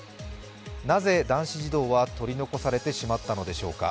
なぜ男子児童は取り残されてしまったのでしょうか。